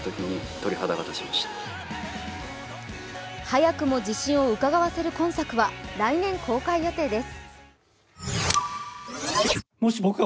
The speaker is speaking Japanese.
早くも自信をうかがわせる今作は、来年公開予定です。